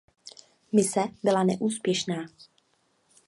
Mise byla neúspěšná.